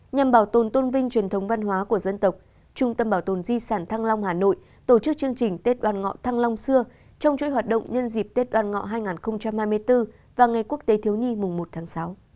nhằm bảo tồn tôn vinh truyền thống văn hóa của dân tộc trung tâm bảo tồn di sản thăng long hà nội tổ chức chương trình tết đoàn ngọ thăng long xưa trong chuỗi hoạt động nhân dịp tết đoàn ngọ hai nghìn hai mươi bốn và ngày quốc tế thiếu nhi mùng một tháng sáu